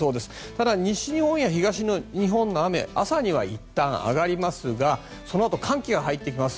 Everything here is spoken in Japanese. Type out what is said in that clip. ただ西日本や東日本の雨朝にはいったん上がりますがそのあと寒気が入ってきます。